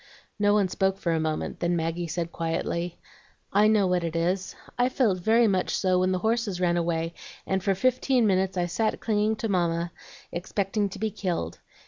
No one spoke for a moment, then Maggie said quietly, "I know what it is. I felt very much so when the horses ran away, and for fifteen minutes I sat clinging to Mamma, expecting to be killed.